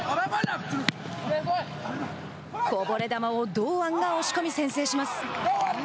こぼれ球を堂安が押し込み先制します。